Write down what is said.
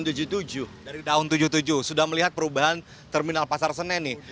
dari tahun seribu sembilan ratus tujuh puluh tujuh sudah melihat perubahan terminal pasar senen nih